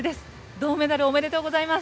銅メダル、おめでとうございます。